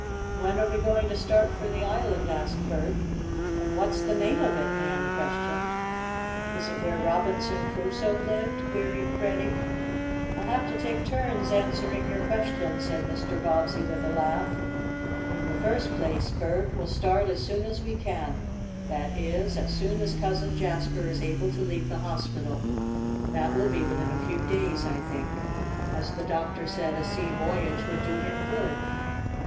"When are we going to start for the island?" asked Bert. "And what's the name of it?" Nan questioned. "Is it where Robinson Crusoe lived?" queried Freddie. "I'll have to take turns answering your questions," said Mr. Bobbsey with a laugh. "In the first place, Bert, we'll start as soon as we can that is as soon as Cousin Jasper is able to leave the hospital. That will be within a few days, I think, as the doctor said a sea voyage would do him good.